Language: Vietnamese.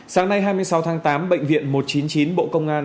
sáng nay hai mươi sáu tháng tám bệnh viện một trăm chín mươi chín bộ công an